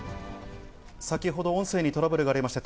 先ほど音声にトラブルがありました。